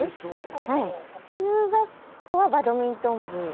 中学校はバドミントン部。